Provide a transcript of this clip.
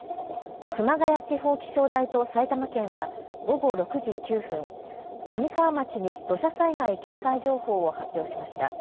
熊谷地方気象台と埼玉県は午後６時９分、神川町に土砂災害警戒情報を発表しました。